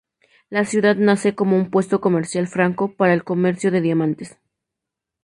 La ciudad nace como un puesto comercial franco para el comercio de diamantes.